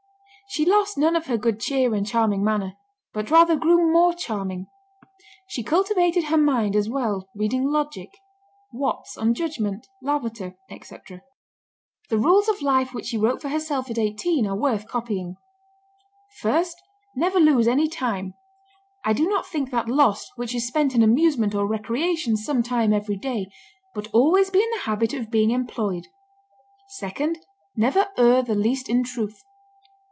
She lost none of her good cheer and charming manner, but rather grew more charming. She cultivated her mind as well, reading logic, Watts on Judgment, Lavater, etc. The rules of life which she wrote for herself at eighteen are worth copying: "First, Never lose any time; I do not think that lost which is spent in amusement or recreation some time every day; but always be in the habit of being employed. Second, Never err the least in truth.